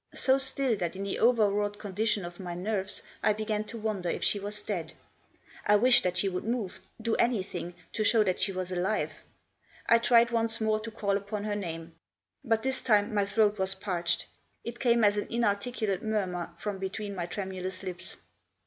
So still that in the overwrought condition of my nerves I began to wonder if she was dead. I wished that she would move, do anything, to show she was alive. I tried, once more, to call upon her name. But, this time, my throat was parched ; it came as an inarticu late murmur from between my tremulous lips.